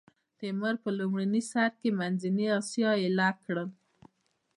تیمور په لومړي سر کې منځنۍ اسیا ایل کړه.